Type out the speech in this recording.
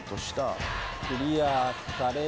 クリアされる。